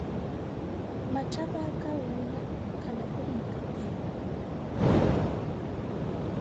Matthavaka wuula khana pirinkatera